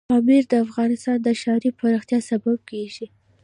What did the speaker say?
پامیر د افغانستان د ښاري پراختیا سبب کېږي.